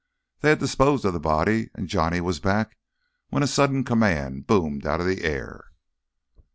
They had disposed of the body and Johnny was back when a sudden command boomed out of the air.